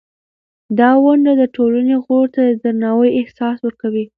دا ونډه د ټولنې غړو ته د درناوي احساس ورکوي.